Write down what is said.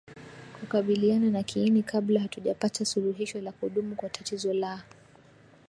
kukabiliana na kiini kabla hatujapata suluhisho la kudumu kwa tatizo la